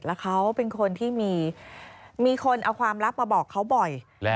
แล้วเขาเป็นคนที่มีคนเอาความลับมาบอกเขาบ่อย